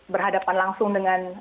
berhadapan langsung dengan